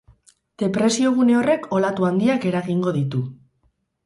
Depresio gune horrek olatu handiak eragingo ditu.